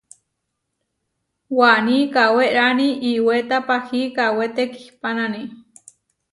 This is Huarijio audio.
Waní kawérani iʼwéta pahí kawé tekihpánani.